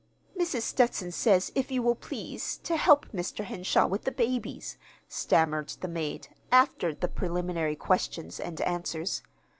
"Mrs. Stetson says if you will please to help Mr. Henshaw with the babies," stammered the maid, after the preliminary questions and answers.